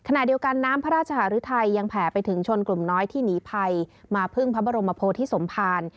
ขณะเดียวกันน้ำพระราชหารุทัยยังแผ่ไปถึงชนกลุ่มน้อยที่หนีภัยมาพึ่งพระบรมโพธิสมภาร